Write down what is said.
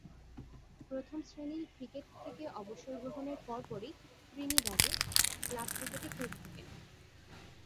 প্রথম-শ্রেণীর ক্রিকেট থেকে অবসর গ্রহণের পরপরই ত্রিনিদাদে ক্লাব ক্রিকেটে খেলতে থাকেন।